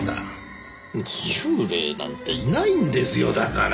幽霊なんていないんですよだから。